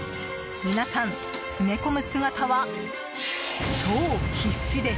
皆さん、詰め込む姿は超必死です！